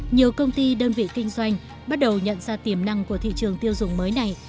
nhiều công ty đơn vị kinh doanh bắt đầu nhận ra tiềm năng của thị trường tiêu dùng mới này